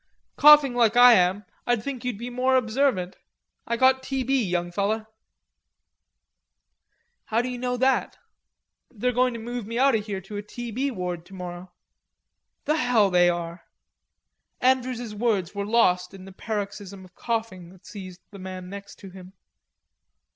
"Coughing like I am, I'd think you'd be more observant. I got t.b., young feller." "How do you know that?" "They're going to move me out o' here to a t.b. ward tomorrow." "The hell they are!" Andrews's words were lost in the paroxysm of coughing that seized the man next to him.